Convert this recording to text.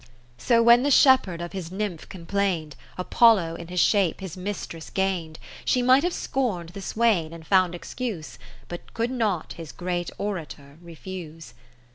So when the Shepherd of his Nymph complain'd, Apollo in his shape his mistress gain'd : She might have scorn'd the swain, and found excuse ; But could not his great OratorTefuse.